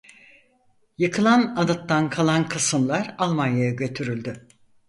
Yıkılan anıttan kalan kısımlar Almanya'ya götürüldü.